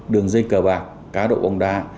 đường dây cờ bạc cá độ bóng đá